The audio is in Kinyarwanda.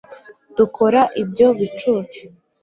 dukora ibyo bicucu